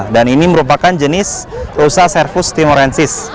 dan ini merupakan jenis rusa servus timorensis